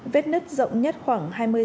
vết nứt rộng nhất khoảng hai mươi cm